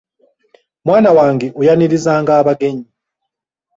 Mwana wange oyanirizanga abagenyi.